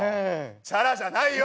チャラじゃないよ！